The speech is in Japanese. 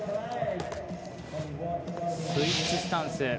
スイッチスタンス。